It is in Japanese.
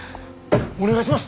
お願いします！